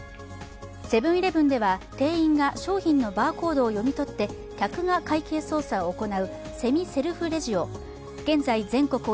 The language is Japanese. セブン−イレブンでは店員が商品のバーコードを読み取って客が会計操作を行うセミセルフレジを現在全国